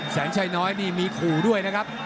แสนชัยน้อยนี่มีขู่ด้วยนะครับ